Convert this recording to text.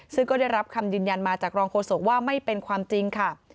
ซึ่งก็ได้รับคำยืนยันมาจากรองโฆษกว่าไม่เป็นความจริงค่ะ